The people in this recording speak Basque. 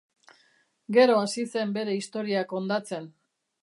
Gero hasi zen bere historia kondatzen.